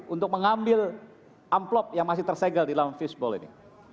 untuk mengambil amplop yang masih tersegel di dalam fishball ini